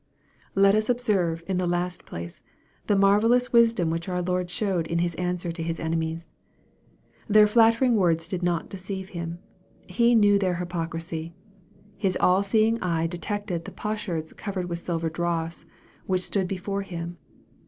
Let us observe, in the last place, the marvellous wisdom which our Lord showed in His answer to His enemies. Their flattering words did not deceive Him. He " knew their hypocrisy." His all seeing eye detected the " potsherds covered with silver dross" which stood before Him.